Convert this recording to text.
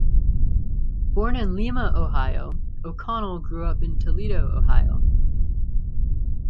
Born in Lima, Ohio, O'Connell grew up in Toledo, Ohio.